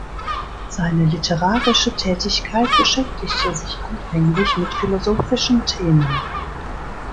Seine literarische Tätigkeit beschäftigte sich anfänglich mit philosophischen Themen.